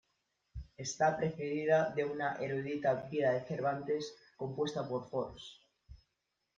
Está precedida de una erudita vida de Cervantes compuesta por Fors.